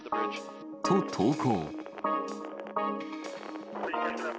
と、投稿。